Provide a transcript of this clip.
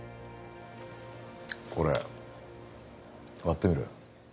これ割ってみろよ